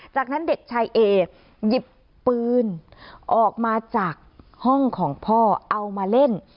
จากนั้นเด็กชายเอหยิบปืนออกมาจากห้องของพ่อเอามาเล่น